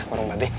warung mbak be